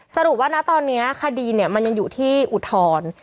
สรุปว่านะตอนนี้คดีเนี่ยมันยังอยู่ที่อุทธรณ์